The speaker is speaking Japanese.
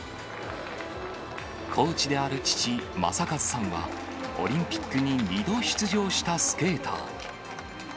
コーチである父、正和さんは、オリンピックに２度出場したスケーター。